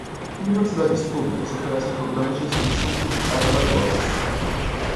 Universidades públicas oferecem programas de extensão comunitária valiosos.